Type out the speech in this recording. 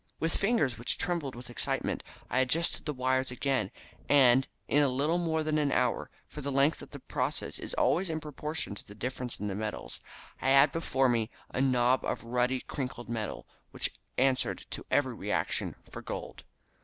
With fingers which trembled with excitement I adjusted the wires again, and in little more than an hour for the length of the process was always in proportion to the difference in the metals I had before me a knob of ruddy crinkled metal, which answered to every reaction for gold.